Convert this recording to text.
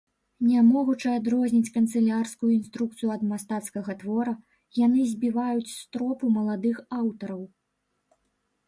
Не могучы адрозніць канцылярскую інструкцыю ад мастацкага твора, яны збіваюць з тропу маладых аўтараў.